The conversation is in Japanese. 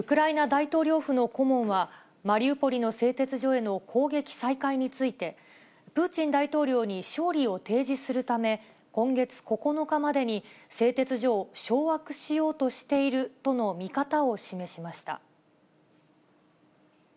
大統領府の顧問は、マリウポリの製鉄所への攻撃再開について、プーチン大統領に勝利を提示するため、今月９日までに製鉄所を掌握しようとしているとの見方を示しました。